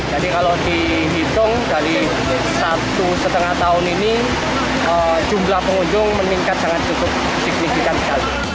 jadi kalau dihitung dari satu setengah tahun ini jumlah pengunjung meningkat sangat cukup signifikan sekali